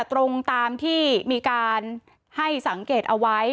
ตรงตามที่มีการให้สังเกตเอาไว้